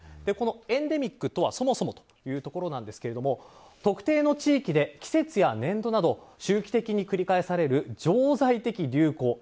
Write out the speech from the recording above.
このエンデミックとはそもそもというところですけども特定の地域で季節や年度など周期的に繰り返される常在的流行。